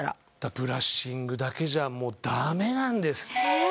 ブラッシングだけじゃもう駄目なんです。